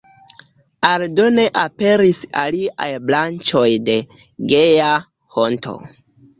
Aldone aperis aliaj branĉoj de Geja Honto.